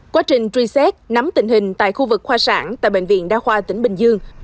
quá trình truy xét nắm tình hình tại khu vực khoa sản tại bệnh viện đa khoa tỉnh bình dương